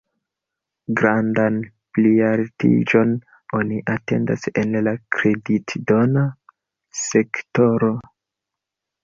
Grandan plialtiĝon oni atendas en la kreditdona sektoro.